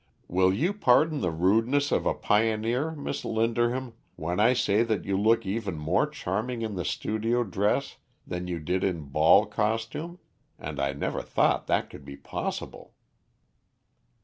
Will you pardon the rudeness of a pioneer, Miss Linderham, when I say that you look even more charming in the studio dress than you did in ball costume, and I never thought that could be possible?"